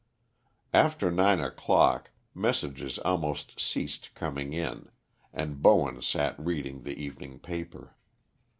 After nine o'clock messages almost ceased coming in, and Bowen sat reading the evening paper.